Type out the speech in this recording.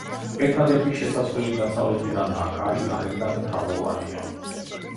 ერთადერთი შესასვლელი დასავლეთიდანაა, კარი გარედან თაღოვანია.